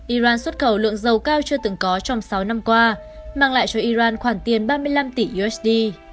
iran xuất khẩu lượng dầu cao chưa từng có trong sáu năm qua mang lại cho iran khoản tiền ba mươi năm tỷ usd